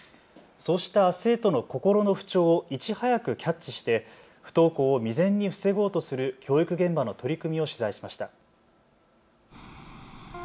そうした生徒の心の不調をいち早くキャッチして不登校を未然に防ごうとする教育現場の取り組みを取材しました。